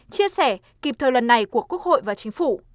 chia sẻ kịp thời lần này của quốc hội và chính phủ